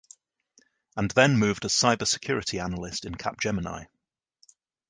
And then moved as Cyber Security analyst in Capgemini.